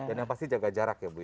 dan yang pasti jaga jarak ya bu